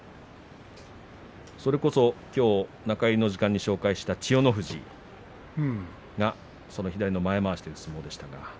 きょう中入りの時間に紹介した、千代の富士がその左の前まわしという相撲でしたか。